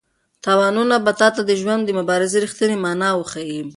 تاوانونه به تا ته د ژوند د مبارزې رښتینې مانا وښيي.